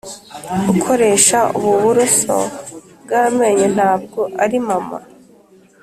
ukoresha ubu buroso bw'amenyo ntabwo ari mama.